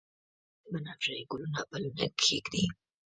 بنفشیې ګلونه پلونه کښیږدي